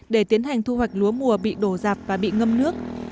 để tiến hành thu hoạch lúa mùa bị đổ dạp và bị ngâm nước